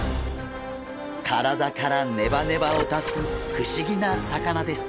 体からネバネバを出す不思議な魚です。